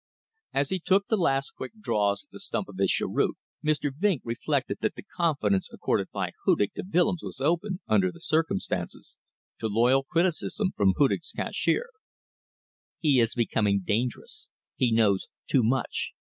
As he took the last quick draws at the stump of his cheroot, Mr. Vinck reflected that the confidence accorded by Hudig to Willems was open, under the circumstances, to loyal criticism from Hudig's cashier. "He is becoming dangerous; he knows too much.